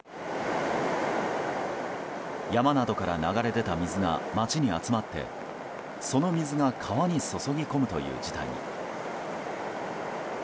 山などから流れ出た水が街に集まってその水が川に注ぎ込むという事態に。